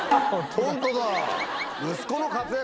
・ホントだ。